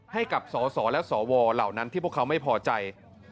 ให้กับสสและสวเหล่านั้นที่พวกเขาไม่พอใจ